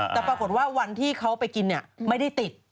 แต่ปรากฏว่าวันที่เขาไปกินไม่ได้ติด